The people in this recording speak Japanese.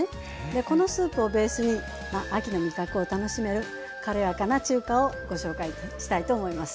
このスープをベースに秋の味覚を楽しめる軽やかな中華をご紹介したいと思います。